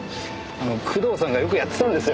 工藤さんがよくやってたんですよ。